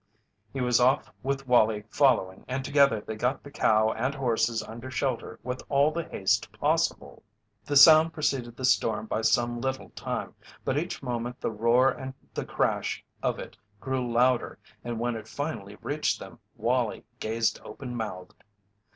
He was off with Wallie following and together they got the cow and horses under shelter with all the haste possible. The sound preceded the storm by some little time, but each moment the roar and the crash of it grew louder and when it finally reached them Wallie gazed open mouthed.